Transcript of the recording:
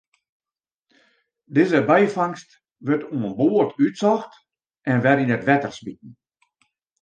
Dizze byfangst wurdt oan board útsocht en wer yn it wetter smiten.